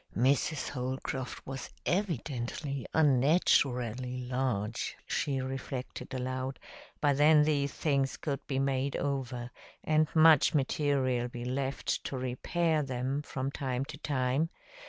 "Mrs. Holcroft was evidently unnaturally large," she reflected aloud, "but then these things could be made over, and much material be left to repair them, from time to time.